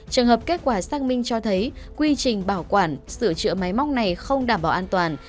trường hợp kết quả xác minh cho thấy quy trình bảo quản sửa chữa máy móc này không đảm bảo an toàn